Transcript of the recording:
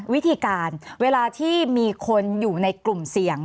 วิธีการเวลาที่มีคนอยู่ในกลุ่มเสี่ยง